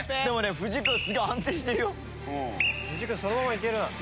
藤井君そのままいけるな。